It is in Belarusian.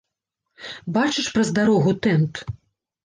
Бачыш праз дарогу тэнт?